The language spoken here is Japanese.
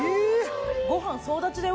ご飯総立ちだよ